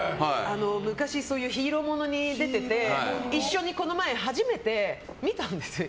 昔、ヒーローものに出てて一緒に、この前初めて見たんです